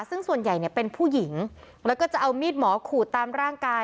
ซึ่งส่วนใหญ่เนี่ยเป็นผู้หญิงแล้วก็จะเอามีดหมอขูดตามร่างกาย